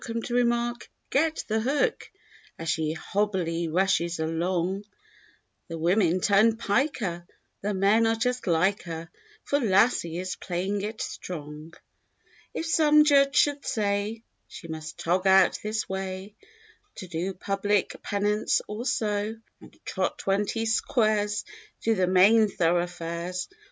And remark, "Get the hook," As she hobily rushes along. The women turn "piker" (The men are just like her)— For "lassie" is playing it strong. If some judge should say She must tog out this way. To do public pennance or so And trot twenty squares Through the main thoroughfares.